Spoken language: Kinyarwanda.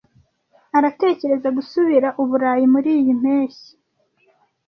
Aratekereza gusura Uburayi muriyi mpeshyi.